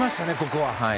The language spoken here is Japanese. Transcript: ここは。